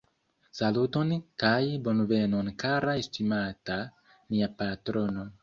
Saluton kaj bonvenon kara estimata, nia patrono